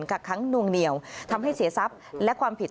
กักค้างนวงเหนียวทำให้เสียทรัพย์และความผิด